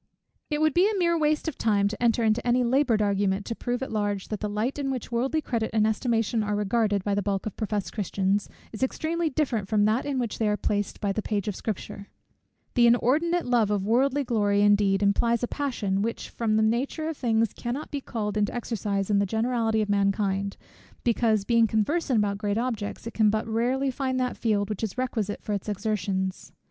It would be mere waste of time to enter into any laboured argument to prove at large, that the light in which worldly credit and estimation are regarded, by the bulk of professed Christians, is extremely different from that in which they are placed by the page of Scripture. The inordinate love of worldly glory indeed, implies a passion, which from the nature of things cannot be called into exercise in the generality of mankind, because, being conversant about great objects, it can but rarely find that field which is requisite for its exertions.